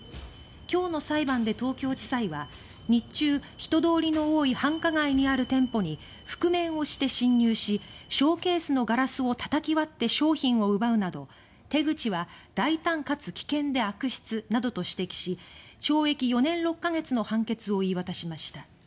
今日の裁判で東京地裁は「日中、人通りの多い繁華街にある店舗に覆面をして侵入しショーケースのガラスをたたき割って商品を奪うなど手口は大胆かつ危険で悪質」などと指摘し懲役４年６か月の判決を言い渡しました。